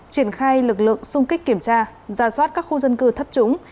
triển khai lực lượng xung kích kiểm tra ra soát các khu dân cư thấp trúng